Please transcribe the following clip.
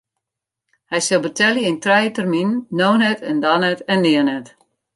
Hy sil betelje yn trije terminen: no net en dan net en nea net.